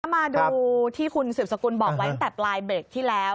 มาดูที่คุณสืบสกุลบอกไว้ตั้งแต่ปลายเบรกที่แล้ว